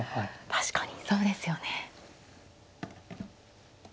確かにそうですよね。